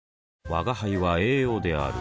吾輩は栄養である